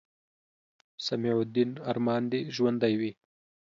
سمیع الدین ارمان دې ژوندے وي